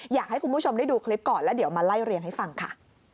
อยากให้คุณผู้ชมได้ดูคลิปก่อนแล้วเดี๋ยวมาไล่เรียงให้ฟังค่ะ